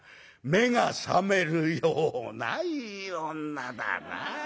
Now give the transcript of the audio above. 「目が覚めるようないい女だなあ。